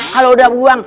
kalau udah buang